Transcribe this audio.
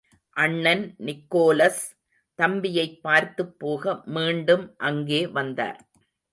அண்ணன் நிக்கோலஸ் தம்பியைப் பார்த்துப் போக மீண்டும் அங்கே வந்தார்.